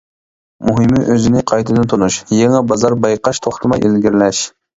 مۇھىمى ئۆزىنى قايتىدىن تونۇش، يېڭى بازار بايقاش، توختىماي ئىلگىرىلەش.